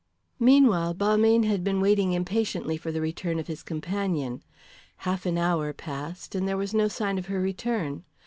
Meanwhile, Balmayne had been waiting impatiently for the return of his companion. Half an hour passed, and there was no sign of her return.